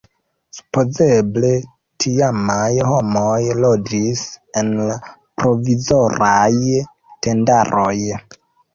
Supozeble tiamaj homoj loĝis en la provizoraj tendaroj.